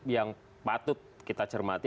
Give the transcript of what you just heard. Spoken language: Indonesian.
yang patut kita cermati